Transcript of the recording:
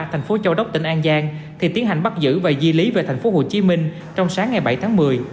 thành phố châu đốc tỉnh an giang thì tiến hành bắt giữ và di lý về tp hcm trong sáng ngày bảy tháng một mươi